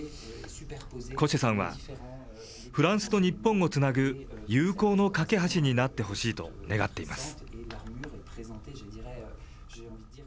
コシェさんは、フランスと日本をつなぐ友好の懸け橋になってほしいと願っています。